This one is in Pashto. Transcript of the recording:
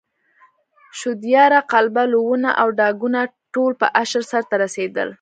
شودیاره، قلبه، لوونه او ډاګونه ټول په اشر سرته رسېدل.